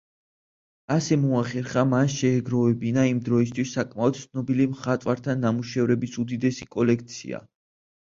ასე მოახერხა მან შეეგროვებინა იმ დროისთვის საკმაოდ ცნობილ მხატვართა ნამუშევრების უდიდესი კოლექცია.